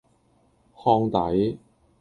烘底